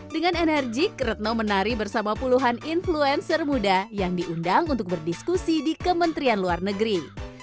dengan enerjik retno menari bersama puluhan influencer muda yang diundang untuk berdiskusi di kementerian luar negeri